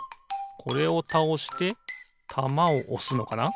これをたおしてたまをおすのかな。